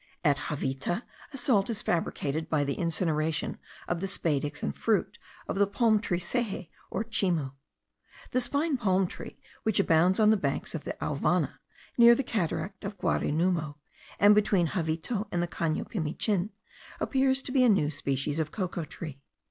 At Javita a salt is fabricated by the incineration of the spadix and fruit of the palm tree seje or chimu. This fine palm tree, which abounds on the banks of the Auvana, near the cataract of Guarinumo, and between Javita and the Cano Pimichin, appears to be a new species of cocoa tree.